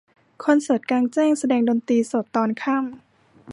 คอนเสิร์ตกลางแจ้งแสดงดนตรีสดตอนค่ำ